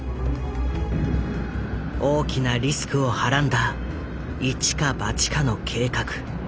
大きなリスクをはらんだ一か八かの計画。